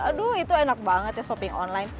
aduh itu enak banget ya shopping online